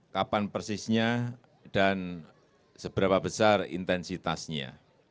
kapan persisnya dan seberapa besar intensitasnya